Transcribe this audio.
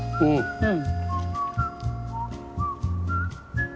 うん。